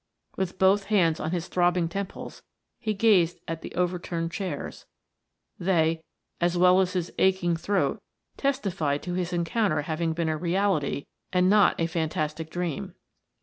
With both hands on his throbbing temples he gazed at the over turned chairs; they, as well as his aching throat, testified to his encounter having been a reality and not a fantastic dream.